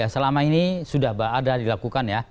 selama ini sudah ada dilakukan ya